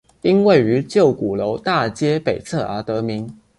因位于旧鼓楼大街北侧而得名。